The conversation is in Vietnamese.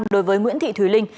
đối với nguyễn thị thúy linh